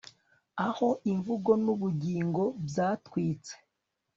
Aho imvugo nubugingo byatwitse